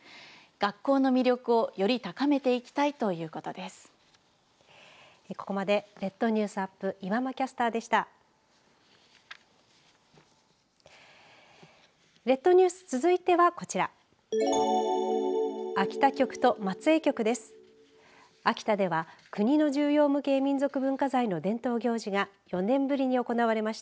学校の魅力をより高めていきたいということです。